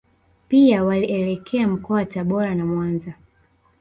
Pia walielekea mkoa wa Tabora na Mwanza